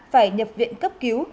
phải nhập viện cấp cứu